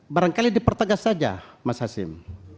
barangkali dipertegas saja mas hasim